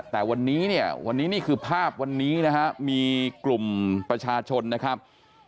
แต่วันนี้เนี่ยวันนี้นี่คือภาพวันนี้นะฮะมีกลุ่มประชาชนนะครับ